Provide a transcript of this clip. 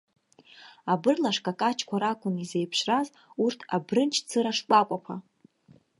Абырлаш какаҷқәа ракәын изеиԥшраз урҭ абрынџь цыра шкәакәақәа.